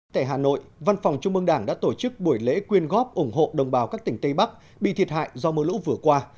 tại hà nội văn phòng trung mương đảng đã tổ chức buổi lễ quyên góp ủng hộ đồng bào các tỉnh tây bắc bị thiệt hại do mưa lũ vừa qua